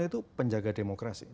wartawan itu penjaga demokrasi